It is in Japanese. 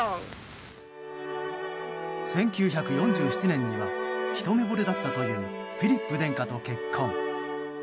１９４７年にはひと目ぼれだったというフィリップ殿下と結婚。